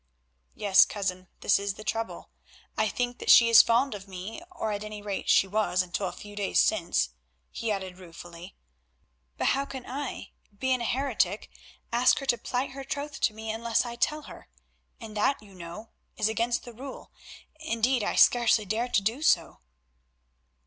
"Yes, cousin, this is the trouble. I think that she is fond of me, or, at any rate, she was until a few days since," he added ruefully, "but how can I, being a 'heretic,' ask her to plight her troth to me unless I tell her? And that, you know, is against the rule; indeed, I scarcely dare to do so."